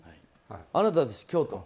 あなたたち、京都。